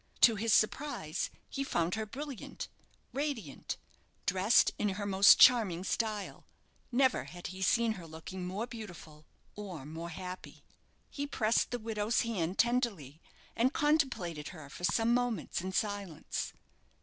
To his surprise, he found her brilliant, radiant, dressed in her most charming style. Never had he seen her looking more beautiful or more happy. He pressed the widow's hand tenderly, and contemplated her for some moments in silence.